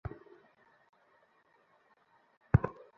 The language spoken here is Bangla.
তুমি জ্যাসনকে খননের কাজ করতে দিয়েছ?